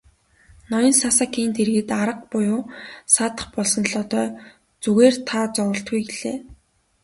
Ноён Сасакийн дэргэд арга буюу саатах болсон Лодой "Зүгээр та зоволтгүй" гэлээ.